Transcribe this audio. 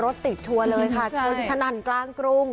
รถติดชัวร์เลยค่ะชนสนั่นกลางกรุง